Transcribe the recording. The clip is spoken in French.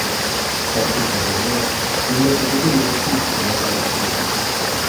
Car toute la journée, il ne faisait que des bêtises, ce méchant garçon.